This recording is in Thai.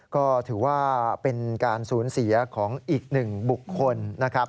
ก็ถือว่าเป็นการสูญเสียของอีกหนึ่งบุคคลนะครับ